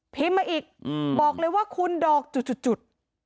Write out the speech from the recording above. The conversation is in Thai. มาอีกบอกเลยว่าคุณดอกจุด